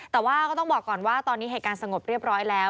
แต่ว่าก็ต้องบอกก่อนว่าตอนนี้เหตุการณ์สงบเรียบร้อยแล้ว